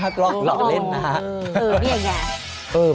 ไปเต้นครับ